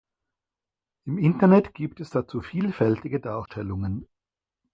Im Internet gibt es dazu vielfältige Darstellungen.